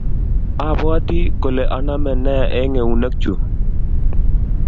Abwoti kole aname ne eng eunekchu